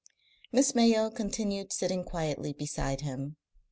Miss Mayo continued sitting quietly beside him.